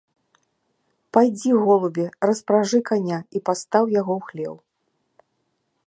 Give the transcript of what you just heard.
Пайдзі, голубе, распражы каня і пастаў яго ў хлеў.